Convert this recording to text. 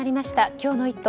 今日の「イット！」